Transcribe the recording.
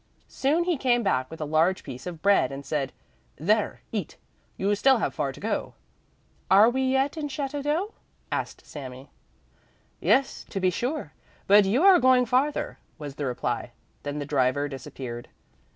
Soon he came back with a large piece of bread and said: "There, eat; you still have far to go." "Are we yet in Château d'Æux?" asked Sami. "Yes, to be sure, but you are going farther," was the reply; then the driver disappeared.